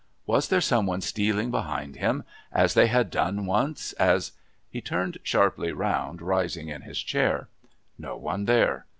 Was there some one stealing behind him, as they had done once, as...? He turned sharply round, rising in his chair. No one there.